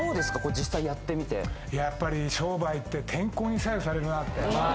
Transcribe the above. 実際やってみてやっぱり商売って天候に左右されるなってあ